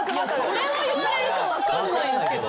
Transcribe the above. それを言われると分かんないんですけど。